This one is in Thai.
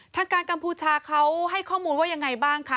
ทางการกัมพูชาเขาให้ข้อมูลว่ายังไงบ้างคะ